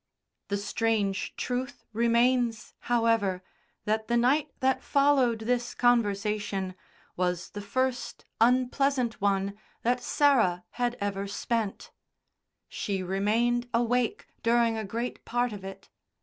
The strange truth remains, however, that the night that followed this conversation was the first unpleasant one that Sarah had ever spent; she remained awake during a great part of it.